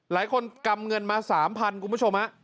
หลายคนกำเงินมา๓๐๐๐บาทคุณผู้ชม